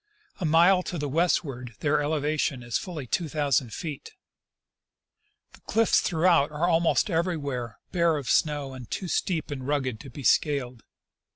A mile to the westward their elevation is fully two thousand feet. The cliffs throughout are Yakutat and Pinnacle Systems. 131 almost eveiywhere bare of snow and too steep and rugged to be scaled.